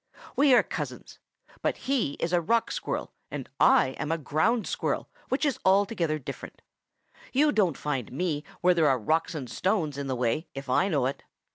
"We are cousins. But he is a Rock Squirrel, and I am a Ground Squirrel which is altogether different. You don't find me where there are rocks and stones in the way if I know it.